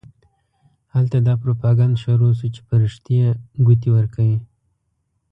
هلته دا پروپاګند شروع شو چې فرښتې ګوتې ورکوي.